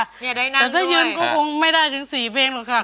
ถ้าได้ยืนก็ไม่ได้ถึง๔เพลงหรอกครับ